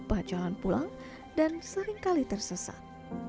ia akan lupa jalan pulang dan seringkali tersesat